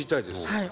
はい。